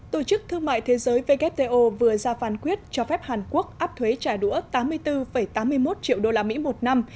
tổ chức thương mại thế giới wto vừa ra phán quyết cho phép hàn quốc áp thuế trả đũa tám mươi bốn tám mươi một triệu usd một năm